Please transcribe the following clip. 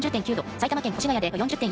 埼玉県越谷で４０．４度。